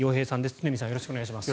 常見さんよろしくお願いします。